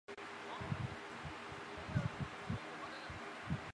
里茨兴是德国萨克森州的一个市镇。